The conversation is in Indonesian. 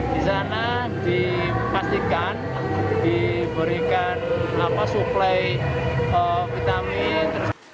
di sana dipastikan diberikan suplai vitamin